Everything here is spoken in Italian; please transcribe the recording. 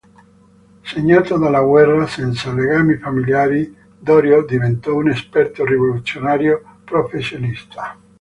Segnato dalla guerra, senza legami familiari, Doriot diventò un esperto rivoluzionario professionista.